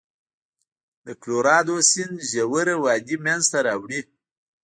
د کلورادو سیند ژوره وادي منځته راوړي.